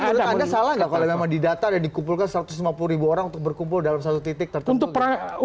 menurut anda salah nggak kalau memang didata dan dikumpulkan satu ratus lima puluh ribu orang untuk berkumpul dalam satu titik tertentu